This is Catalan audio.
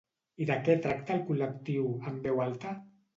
I de què tracta el col·lectiu En Veu Alta?